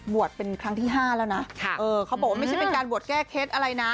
เป็นครั้งที่๕แล้วนะเขาบอกว่าไม่ใช่เป็นการบวชแก้เคล็ดอะไรนะ